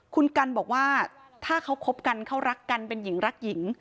คุณกันบอกว่าถ้าเขาคบกันเขารักกันเป็นหญิงรักหญิง